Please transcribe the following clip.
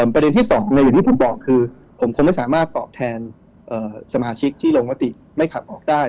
ประเด็นที่๒คือผมคงไม่สามารถตอบแทนสมาชิกที่ลงวัติไม่ขับออกได้